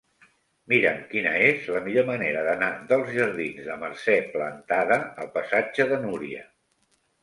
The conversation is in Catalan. Mira'm quina és la millor manera d'anar dels jardins de Mercè Plantada al passatge de Núria.